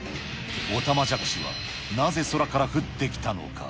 オタマジャクシはなぜ空から降ってきたのか。